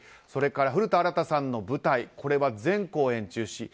それから古田新太さんの舞台はこれは全公演中止。